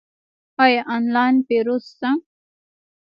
آیا آنلاین پیرود شته؟